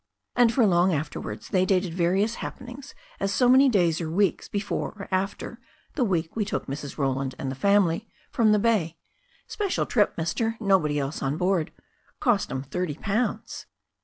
And for long afterwards they dated various happenings as so many days or weeks before or after the week we took Mrs. Roland and the family from the bay. Special trip, Mister. Nobody else on board. Cost 'em thirty pounds."